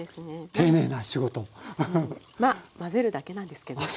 まあ混ぜるだけなんですけどね。